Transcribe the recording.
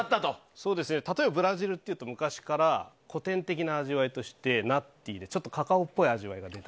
例えばブラジルというと昔から古典的な味わいでナッティーでカカオっぽい味わい。